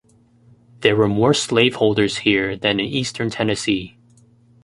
There were more slaveholders here than in Eastern Tennessee.